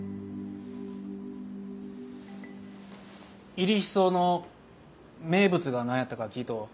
入日荘の名物が何やったか聞いとう？